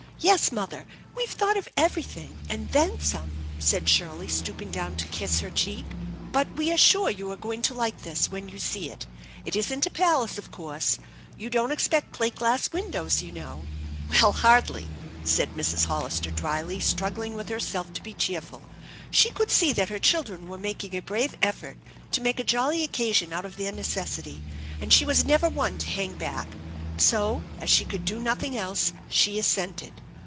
"Yes, mother, we've thought of everything and then some," said Shirley, stooping down to kiss the thir cheek; u but we are sure you are going to like this when you see it It isn't a palace, of course. You don't expect plate glass windows, you know." " Well, hardly," said Mrs. Hollister dryly, struggling with herself to be cheerful. She could see that her children were making a brave effort to make a jolly occasion out of their necessity, and she was never one to hang back ; so, as she could do nothing else, she assented.